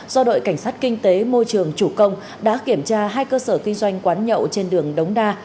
công sát kinh tế môi trường chủ công đã kiểm tra hai cơ sở kinh doanh quán nhậu trên đường đống đa